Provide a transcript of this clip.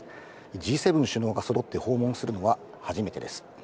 Ｇ７首脳が揃って訪問するのは初めてです。